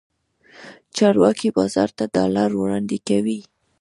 چارواکي بازار ته ډالر وړاندې کوي.